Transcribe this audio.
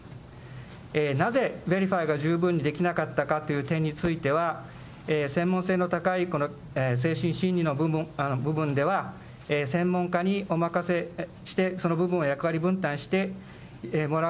なぜベリファイが十分にできなかったという点については、専門性の高いこの精神心理の部分では、専門家にお任せして、その部分を役割分担してもらう、